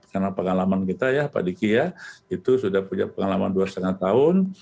karena pengalaman kita ya pak dikya itu sudah punya pengalaman dua lima tahun